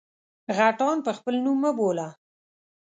_غټان په خپل نوم مه بوله!